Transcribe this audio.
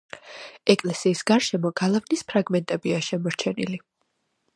ეკლესიის გარშემო გალავნის ფრაგმენტებია შემორჩენილი.